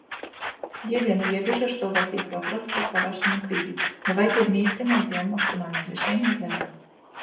The adults of this species are on the wing from September to April.